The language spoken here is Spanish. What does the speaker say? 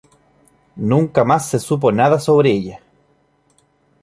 Nunca más se supo nada sobre ella.